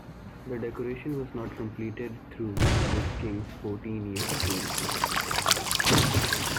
The decoration was not completed through this king's fourteen years rule.